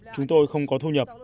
chúng tôi không có thu nhập